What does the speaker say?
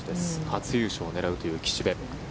初優勝を狙うという岸部。